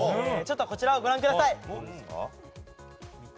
こちらをご覧ください。